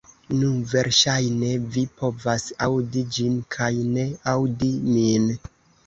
Nu, verŝajne vi povas aŭdi ĝin kaj ne aŭdi min.